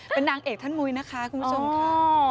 เป็นนางเอกท่านมุ้ยนะคะคุณผู้ชมค่ะ